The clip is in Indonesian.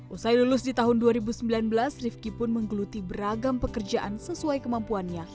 usai lulus di tahun dua ribu sembilan belas rifki pun menggeluti beragam pekerjaan sesuai kemampuannya